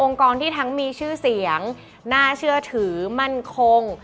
ที่ทั้งมีชื่อเสียงน่าเชื่อถือมั่นคง